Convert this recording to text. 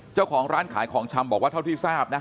เจ้าของร้านขายของชำบอกว่าเท่าที่ทราบนะ